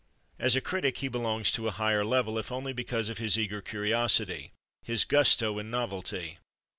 As a critic he belongs to a higher level, if only because of his eager curiosity, his gusto in novelty.